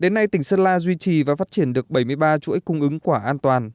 đến nay tỉnh sơn la duy trì và phát triển được bảy mươi ba chuỗi cung ứng quả an toàn